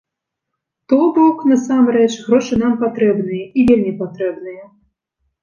То бок, насамрэч, грошы нам патрэбныя, і вельмі патрэбныя.